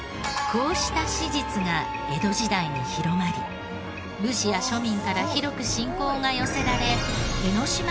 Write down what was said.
こうした史実が江戸時代に広まり武士や庶民から広く信仰が寄せられ。